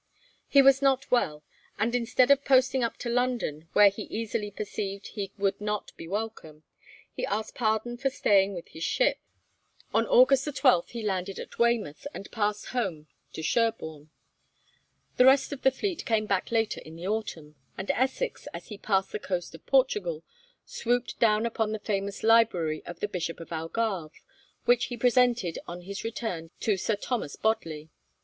He was not well, and instead of posting up to London, where he easily perceived he would not be welcome, he asked pardon for staying with his ship. On August 12 he landed at Weymouth, and passed home to Sherborne. The rest of the fleet came back later in the autumn, and Essex, as he passed the coast of Portugal, swooped down upon the famous library of the Bishop of Algarve, which he presented on his return to Sir Thomas Bodley.